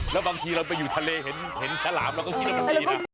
แล้วบางทีเราไปอยู่ทะเลเห็นฉลามเราก็คิดว่ามันดีนะ